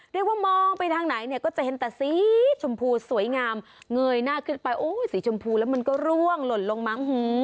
เรียกว่ามองไปทางไหนเนี่ยก็จะเห็นแต่สีชมพูสวยงามเงยหน้าขึ้นไปโอ้ยสีชมพูแล้วมันก็ร่วงหล่นลงมั้ง